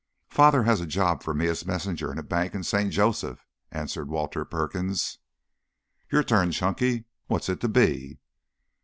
"Father has a job for me as messenger in a bank in St. Joseph," answered Walter Perkins. "Your turn, Chunky. What's it to be?"